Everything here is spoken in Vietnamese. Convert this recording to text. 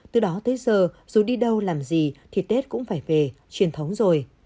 từ đó tới giờ dù đi đâu làm gì thì tết cũng phải về truyền thống rồi